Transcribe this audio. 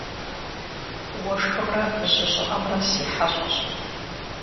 Уэшхымрэ жьы щӏыӏэмрэ си хьэщӏэщ.